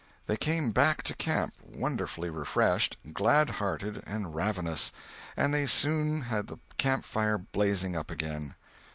They came back to camp wonderfully refreshed, glad hearted, and ravenous; and they soon had the camp fire blazing up again.